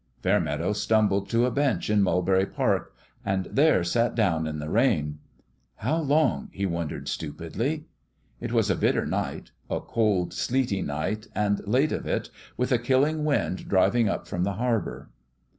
Fairmeadow stumbled to a bench in Mulberry Park and there sat down in the rain. " How long ?" he wondered, stupidly. It was a bitter night : a cold, sleety night, and late of it, with a killing wind driving up from the harbour.